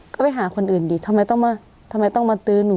ก็ไปหาคนอื่นดิทำไมต้องมาทำไมต้องมาตื้อหนู